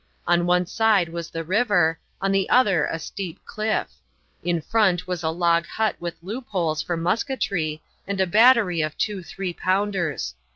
On one side was the river, on the other a steep cliff; in front was a log hut with loop holes for musketry, and a battery of two three pounders.